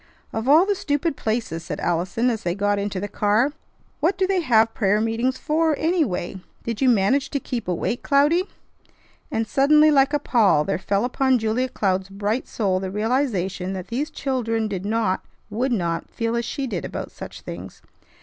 "Of all the stupid places!" said Allison as they got into the car. "What do they have prayer meetings for, anyway? Did you manage to keep awake, Cloudy?" And suddenly like a pall there fell upon Julia Cloud's bright soul the realization that these children did not, would not, feel as she did about such things.